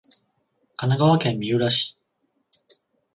神奈川県三浦市